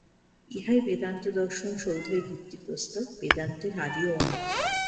ইহাই বেদান্তদর্শন-সৌধের ভিত্তিপ্রস্তর, বেদান্তের আদি ও অন্ত।